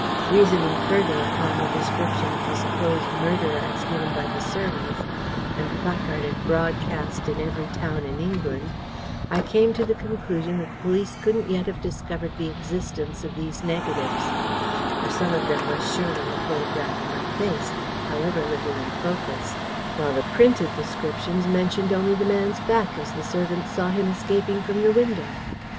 Reasoning further upon the description of the supposed murderer as given by the servants, and placarded broadcast in every town in England, I came to the conclusion that the police couldn't yet have discovered the existence of these negatives: for some of them must surely have photographed my face, however little in focus; while the printed descriptions mentioned only the man's back, as the servants saw him escaping from the window.